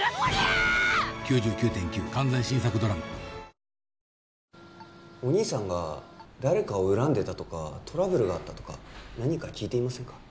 面識もないし何の話やらお兄さんが誰かを恨んでたとかトラブルがあったとか何か聞いていませんか？